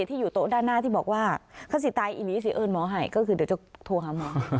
ที่อยู่โต๊ะด้านหน้าที่บอกว่าขสิตายอีหลีสิเอิญหมอให้ก็คือเดี๋ยวจะโทรหาหมอ